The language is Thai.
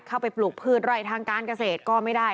เข้าไปปลูกพืชร่อยทางการเกษตรก็ไม่ได้